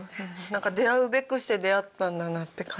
出会うべくして出会ったんだなって感じ。